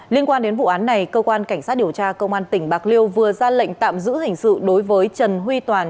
liên quan đến vụ án này cơ quan cảnh sát điều tra công an tỉnh bạc liêu vừa ra lệnh tạm giữ hình sự đối với trần huy toàn